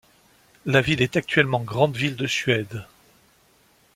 La ville est actuellement grande ville de Suède.